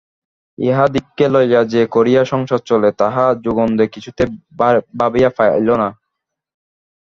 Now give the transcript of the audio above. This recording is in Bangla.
ইহাদিগকে লইয়া যে কী করিয়া সংসার চলে তাহা যোগেন্দ্র কিছুতেই ভাবিয়া পাইল না।